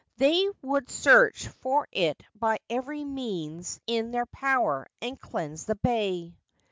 They would search for it by every means in their power and cleanse the bay.